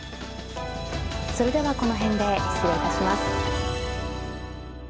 それではこの辺で失礼いたします。